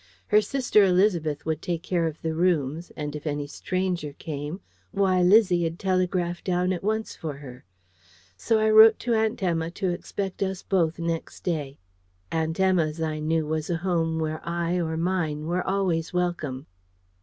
Her sister Elizabeth would take care of the rooms, and if any stranger came, why, Lizzie'd telegraph down at once for her. So I wrote to Aunt Emma to expect us both next day. Aunt Emma's, I knew, was a home where I or mine were always welcome.